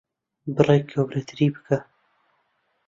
بڕێک گەورەتری بکە.